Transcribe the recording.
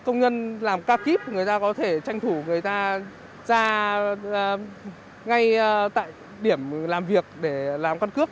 công nhân làm ca kíp người ta có thể tranh thủ người ta ra ngay tại điểm làm việc để làm căn cước